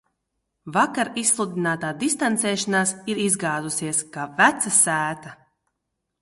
Vakar izsludinātā distancēšanās ir izgāzusies, kā veca sēta.